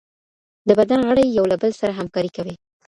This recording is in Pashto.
د بدن غړي یو له بل سره همکاري کوي.